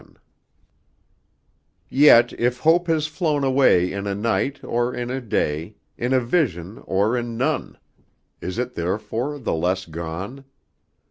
XI Yet if Hope has flown away In a night, or in a day, In a vision, or in none. Is it therefore the less gone?